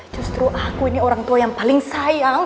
justru aku ini orang tua yang paling sayang